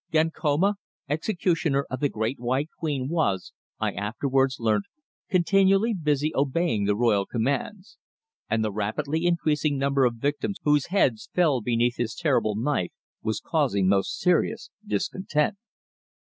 Gankoma, executioner to the Great White Queen, was, I afterwards learnt, continually busy obeying the royal commands, and the rapidly increasing number of victims whose heads fell beneath his terrible knife was causing most serious discontent.